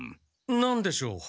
何でしょう？